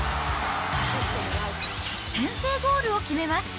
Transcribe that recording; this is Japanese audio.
先制ゴールを決めます。